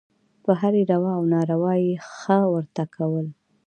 په هرې روا او ناروا یې «ښه» ورته کول.